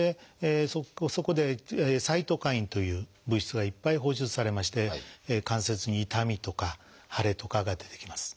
そこでサイトカインという物質がいっぱい放出されまして関節に痛みとか腫れとかが出てきます。